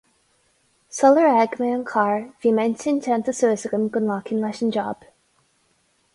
Sular fhág mé an carr, bhí m'intinn déanta suas agam go nglacfainn leis an jab.